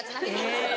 えっ。